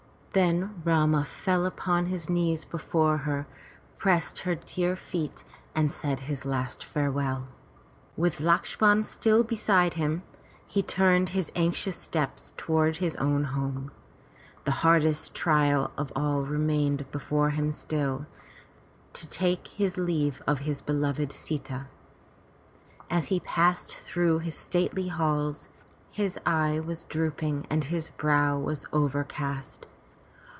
Then Rama fell upon his knees before her, pressed her dear feet and said his last farewell. With Lakshman still beside him, he turned his anxious steps toward his own home. The hardest trial of all remained before him still, to take his leave of his beloved Sita. As he passed through his stately halls, his eye was drooping and his brow was overcast.